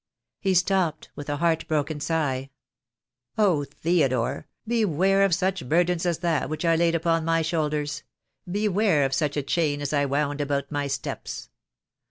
He stopped, with a heart broken sigh. "Oh, Theodore, beware of such burdens as that which I laid upon my shoulders; beware of such a chain as I wound about my steps.